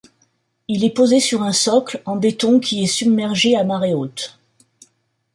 Il est posé sur un socle en béton qui est submergé à marée haute.